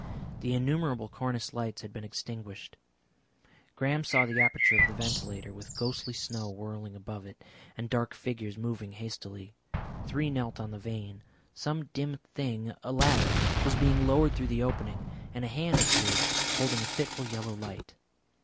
The innumerable cornice lights had been extinguished. Graham saw the aperture of the ventilator with ghostly snow whirling above it and dark figures moving hastily. Three knelt on the vane. Some dim thing a ladder was being lowered through the opening, and a hand appeared holding a fitful yellow light.